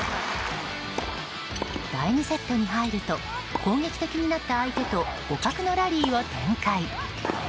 第２セットに入ると攻撃的になった相手と互角のラリーを展開。